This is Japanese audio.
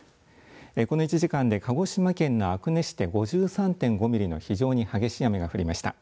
この１時間で鹿児島県の阿久根市で５３．５ミリの非常に激しい雨が降りました。